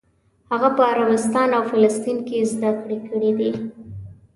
هغه په عربستان او فلسطین کې زده کړې کړې دي.